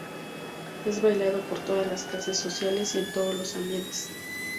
Es bailado por todas las clases sociales y en todos los ambientes.